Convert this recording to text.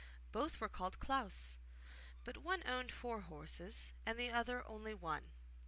Both were called Klaus, but one owned four horses and the other only one.